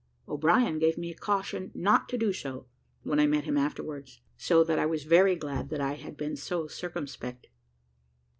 O'Brien gave me a caution not to do so, when I met him afterwards, so that I was very glad that I had been so circumspect.